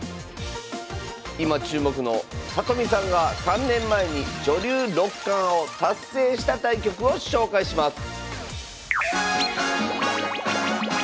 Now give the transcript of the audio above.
今注目の里見さんが３年前に女流六冠を達成した対局を紹介します